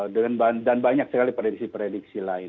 dan banyak sekali prediksi prediksi lain